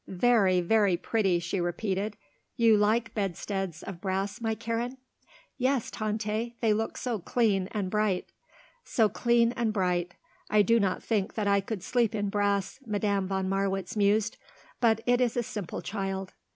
"Very, very pretty," she repeated. "You like bedsteads of brass, my Karen?" "Yes, Tante. They look so clean and bright." "So clean and bright. I do not think that I could sleep in brass," Madame von Marwitz mused. "But it is a simple child."